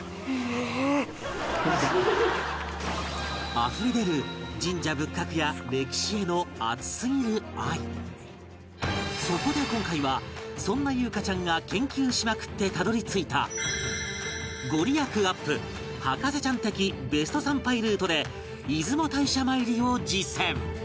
あふれ出るそこで今回はそんな裕加ちゃんが研究しまくってたどり着いたご利益アップ博士ちゃん的ベスト参拝ルートで出雲大社参りを実践